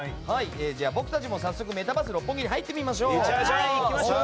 僕たちも早速メタバース六本木に入ってみましょう。